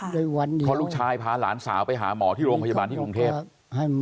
เลยวันนี้เพราะลูกชายพาหลานสาวไปหาหมอที่โรงพยาบาลที่กรุงเทพ